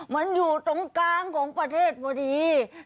มันอยู่ตรงกลางของประเทศพอดี